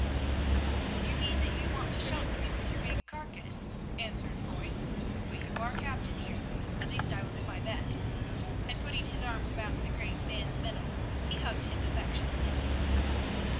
"You mean that you want to shelter me with your big carcase," answered Foy. "But you are captain here. At least I will do my best," and putting his arms about the great man's middle, he hugged him affectionately.